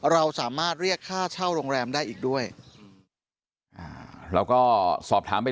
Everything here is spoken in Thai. เราสามารถเรียกค่าเช่าโรงแรมได้อีกด้วยอ่าเราก็สอบถามไป